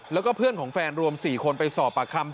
แล้วก็เพื่อนของแฟนรวม๔คนไปสอบปากคำ